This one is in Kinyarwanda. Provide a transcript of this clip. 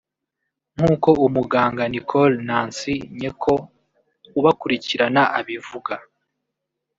nkuko umuganga Nicole Nancy Nyeko ubakurikirana abivuga